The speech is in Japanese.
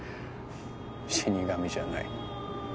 死神じゃない